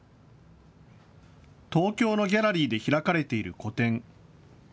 東京のギャラリーで開かれている個展。